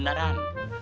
nggak usah ganti